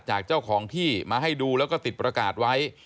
จากเจ้าของที่มาให้ดูแล้วก็ติดประกาศไว้